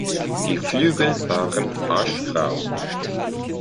Die Flügel waren aschgrau.